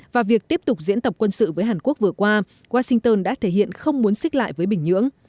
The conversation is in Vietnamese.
và việc tiếp tục diễn tập quân sự với hàn quốc vừa qua washington đã thể hiện không muốn xích lại với bình nhưỡng